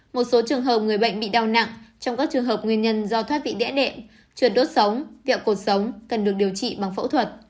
một số trường hợp người bệnh bị đau nặng trong các trường hợp nguyên nhân do thoát vị đẽ đệm trượt đốt sống việu cột sống cần được điều trị bằng phẫu thuật